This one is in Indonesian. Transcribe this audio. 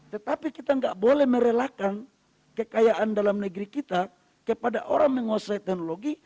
tetapi kita tidak boleh merelakan kekayaan dalam negeri kita kepada orang menguasai teknologi